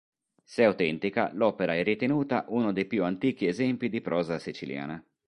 Se autentica, l'opera è ritenuta uno dei più antichi esempi di prosa siciliana.